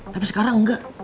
tapi sekarang enggak